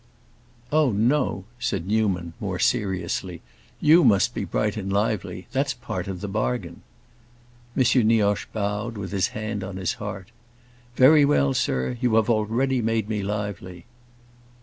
"Oh no," said Newman more seriously. "You must be bright and lively; that's part of the bargain." M. Nioche bowed, with his hand on his heart. "Very well, sir; you have already made me lively."